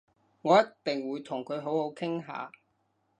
我一定會同佢好好傾下